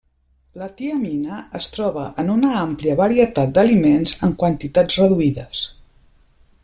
La tiamina es troba en una àmplia varietat d’aliments en quantitats reduïdes.